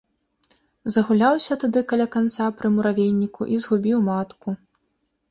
Загуляўся тады каля канца пры муравейніку і згубіў матку.